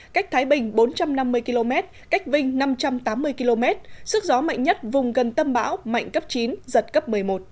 cách thái bình bốn trăm năm mươi km cách vinh năm trăm tám mươi km sức gió mạnh nhất vùng gần tâm bão mạnh cấp chín giật cấp một mươi một